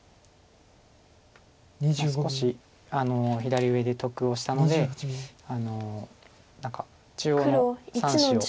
少し左上で得をしたので何か中央の３子を。